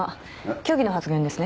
虚偽の発言ですね。